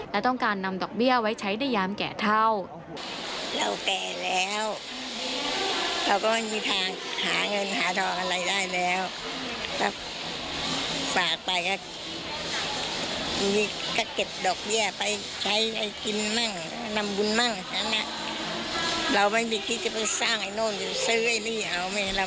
เราต้องการนำดอกเบี้ยไว้ใช้ได้ยามแก่เท่า